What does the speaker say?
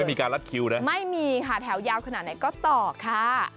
มีการรัดคิวนะไม่มีค่ะแถวยาวขนาดไหนก็ต่อค่ะ